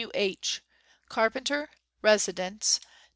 W. H. .Carpenter, Residence..